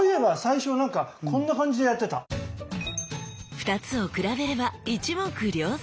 ２つを比べれば一目瞭然！